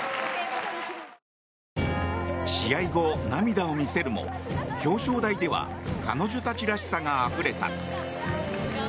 試合後、涙を見せるも表彰台では彼女たちらしさがあふれた。